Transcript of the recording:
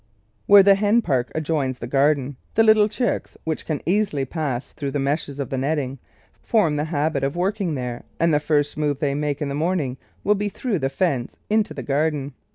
Where the hen park adjoins the garden the little chicks, which can easily pass through the meshes of the netting, form the habit of working there, and the first move they make in the morning will be through the fence into the garden.